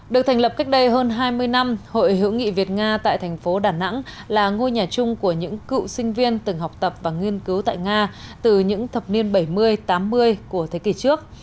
được thành lập cách đây hơn hai mươi năm hội hữu nghị việt nga tại thành phố đà nẵng là ngôi nhà chung của những cựu sinh viên từng học tập và nghiên cứu tại nga từ những thập niên bảy mươi tám mươi của thế kỷ trước